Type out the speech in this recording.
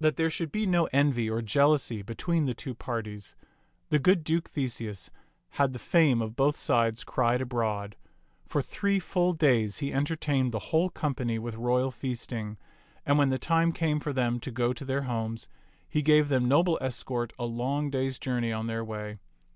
That there should be no envy or jealousy between the two parties, the good Duke Theseus had the fame of both sides cried abroad. For three full days he en tertained the whole company with royal feasting ; and when the time came for them to go to their homes, he gave them noble escort a long day's journey on their way.